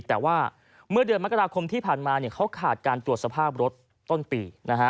แต่ว่าเมื่อเดือนมกราคมที่ผ่านมาเขาขาดการตรวจสภาพรถต้นปี